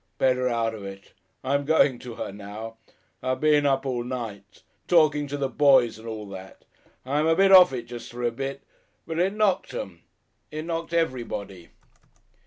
Better out of it.... I'm going to her now. I've been up all night talking to the boys and all that. I'm a bit off it just for a bit. But it Knocked 'em. It Knocked everybody."